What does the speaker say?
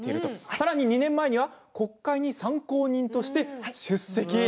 さらには２年前には国会に参考人として出席。